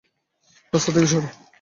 রাস্তা থেকে সর।